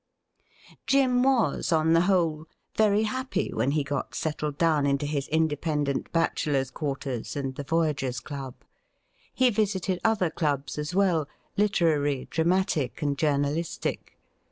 Jim was, on the whole, very happy when he got settled down into his independent bachelor's quarters and the BACK TO LONDON Igl Voyagers' Club. He visited other clubs as well — ^literary, dramatic, and journalistic.